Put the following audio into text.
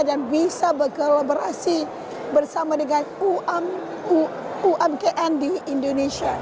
dan bisa berkolaborasi bersama dengan umkm di indonesia